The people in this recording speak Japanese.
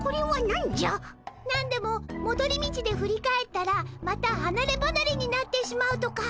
なんでももどり道で振り返ったらまたはなればなれになってしまうとか。